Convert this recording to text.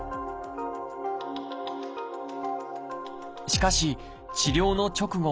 しかし治療の直後